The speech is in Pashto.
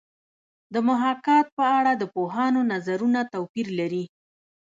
د محاکات په اړه د پوهانو نظرونه توپیر لري